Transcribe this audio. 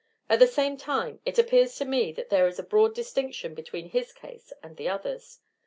At the same time, it appears to me that there is a broad distinction between his case and the others.